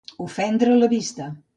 Ofendre la vista.